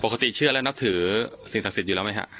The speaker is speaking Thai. เชื่อและนับถือสิ่งศักดิ์สิทธิ์อยู่แล้วไหมฮะ